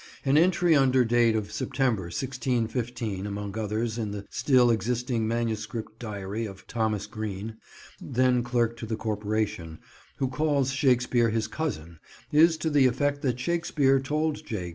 An entry under date of September 1615 among others in the still existing manuscript diary of Thomas Greene, then clerk to the corporation, who calls Shakespeare his cousin, is to the effect that Shakespeare told J.